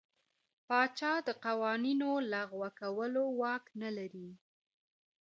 پاچا د قوانینو لغوه کولو واک نه لري.